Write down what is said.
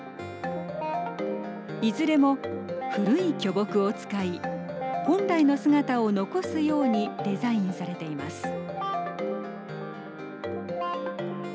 いずれも古い巨木を使い本来の姿を残すようにデザインされています。